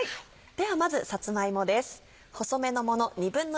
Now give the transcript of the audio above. ではまずさつま芋です。